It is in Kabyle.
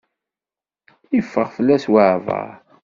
Iffeɣ fell-as waɛbaṛ.